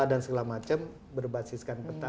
dan segala macam berbasiskan peta